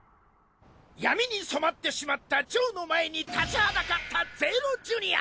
闇に染まってしまったジョーの前に立ちはだかったゼーロジュニア。